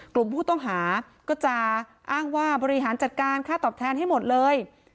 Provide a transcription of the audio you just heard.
กลุ่มผู้ต้องหาก็จะอ้างว่าบริหารจัดการค่าตอบแทนให้หมดเลย